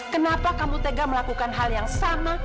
kenapa kamu tega melakukan hal yang sama